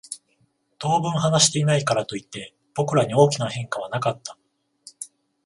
当分話していないからといって、僕らに大きな変化はなかった。